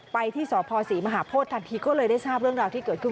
ไปที่สพศรีมหาโพธิทันทีก็เลยได้ทราบเรื่องราวที่เกิดขึ้น